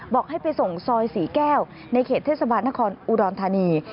บอกให้ไปส่งซอยศรีแก้วในเขตเทศบาลนครอุดรธานี